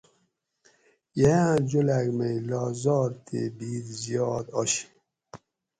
ییاں جولاگ مئی لا زھر تے بید زیاد آشی